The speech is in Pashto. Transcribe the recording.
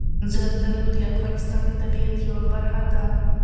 زردالو د افغانستان د طبیعت یوه برخه ده.